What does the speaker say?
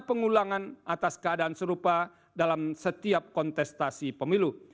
pengulangan atas keadaan serupa dalam setiap kontestasi pemilu